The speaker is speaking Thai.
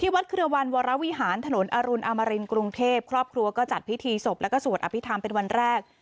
วัดเครือวันวรวิหารถนนอรุณอมรินกรุงเทพครอบครัวก็จัดพิธีศพแล้วก็สวดอภิษฐรรมเป็นวันแรก